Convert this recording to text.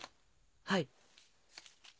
はい。